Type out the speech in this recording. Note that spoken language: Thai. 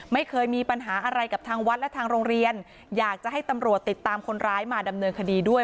ไม่เคยมีปัญหาอะไรกับทางวัดและทางโรงเรียนอยากจะให้ตำรวจติดตามคนร้ายมาดำเนินคดีด้วย